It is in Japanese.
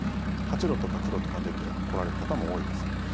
３８度とか３９度とか出て来られる方も多いです。